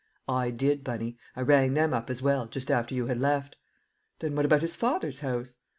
"I did, Bunny. I rang them up as well, just after you had left." "Then what about his father's house?"